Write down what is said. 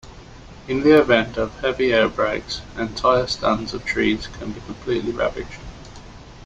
In the event of heavy outbreaks, entire stands of trees can be completely ravaged.